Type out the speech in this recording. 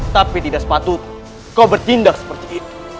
tapi tidak sepatu kau bertindak seperti itu